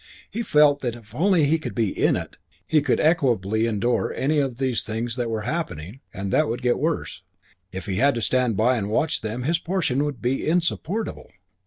He felt that if only he could be "in it" he could equably endure any of these things that were happening and that would get worse; if he had just to stand by and watch them his portion would be insupportable.